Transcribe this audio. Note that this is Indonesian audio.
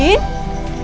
tidak pak bos